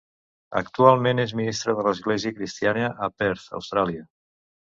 Actualment és ministre de l'Església Cristina a Perth, Austràlia.